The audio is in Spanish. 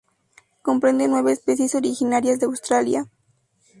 Comprende nueve especies originarias de Australia.